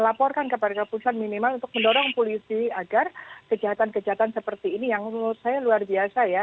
laporkan kepada kepolisian minimal untuk mendorong polisi agar kejahatan kejahatan seperti ini yang menurut saya luar biasa ya